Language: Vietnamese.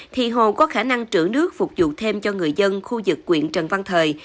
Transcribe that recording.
thì hồ có khả năng trữ nước phục vụ thêm cho người dân khu vực quyện trần văn thời